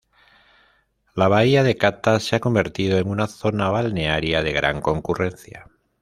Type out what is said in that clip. La Bahía de Cata se ha convertido en una zona balnearia de gran concurrencia.